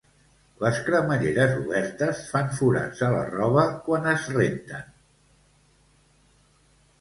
Les cremalleres obertes fan forats a la roba quan es renten